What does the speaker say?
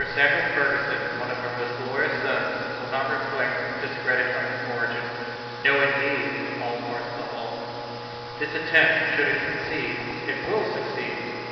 Samuel Ferguson, one of her most glorious sons, will not reflect discredit on his origin." ("No, indeed!" from all parts of the hall.) "This attempt, should it succeed" ("It will succeed!")